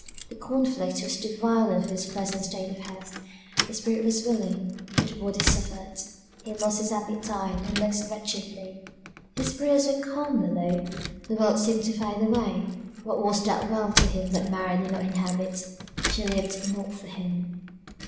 The conflict was too violent for his present state of health; the spirit was willing, but the body suffered; he lost his appetite, and looked wretchedly; his spirits were calmly low the world seemed to fade away what was that world to him that Mary did not inhabit; she lived not for him.